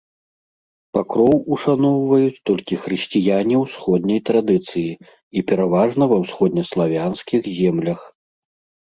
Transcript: Пакроў ушаноўваюць толькі хрысціяне ўсходняй традыцыі і пераважна ва ўсходнеславянскіх землях.